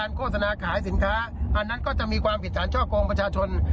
อันนั้นก็จะมีความผิดฐานช่อโกงประชาชน